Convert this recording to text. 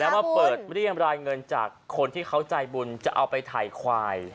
มาเปิดเรียงรายเงินจากคนที่เขาใจบุญจะเอาไปถ่ายควาย